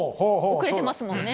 遅れてますもんね。